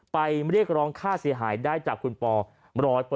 เรียกร้องค่าเสียหายได้จากคุณปอ๑๐๐